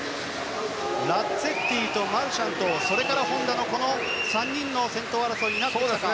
ラッツェッティとマルシャンとそれから本多の３人の先頭争いになるか。